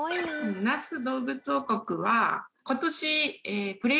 那須どうぶつ王国は。